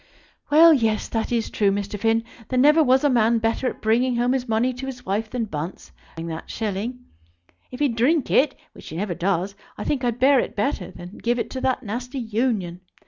Well, yes; that is true, Mr. Finn. There never was a man better at bringing home his money to his wife than Bunce, barring that shilling. If he'd drink it, which he never does, I think I'd bear it better than give it to that nasty Union.